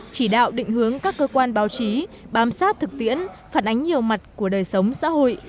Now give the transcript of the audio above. chỉ đạo định hướng các cơ quan báo chí bám sát thực tiễn phản ánh nhiều mặt của đời sống xã hội